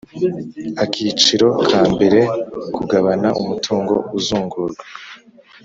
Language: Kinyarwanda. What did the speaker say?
Akiciro ka mbere Kugabana umutungo uzungurwa